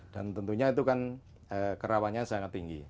tentunya itu kan kerawannya sangat tinggi